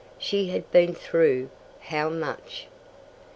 She had been through how much?